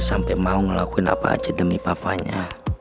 sampai mau ngelakuin apa aja demi papanya